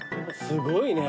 すごいね。